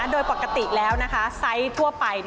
โดยปกติแล้วไซส์ทั่วไป